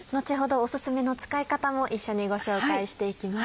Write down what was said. お薦めの使い方も一緒にご紹介していきます。